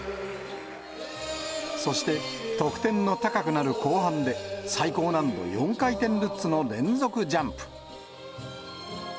そして得点の高くなる後半で、最高難度４回転ルッツの連続ジャンプ。